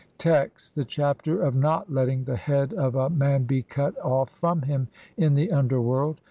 Text : (1) The Chapter of not letting the head of a MAN BE CUT OFF FROM HIM IN THE UNDERWORLD.